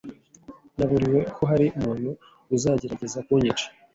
Naburiwe ko hari umuntu uzagerageza kunyica.